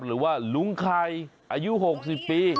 หรือว่าลุงไข่อายุ๖๐ปี